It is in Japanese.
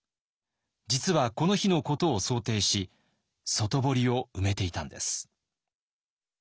実はこの日のことを想定し外堀を埋めていたんです。